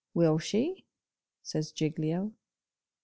'Will she?' says Giglio.